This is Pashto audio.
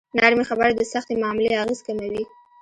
نرمې خبرې د سختې معاملې اغېز کموي.